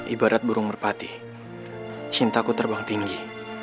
ibarat burung merpati cintaku terbang tinggi